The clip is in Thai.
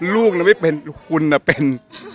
ลูกน่ะไม่เป็นคุณเป็น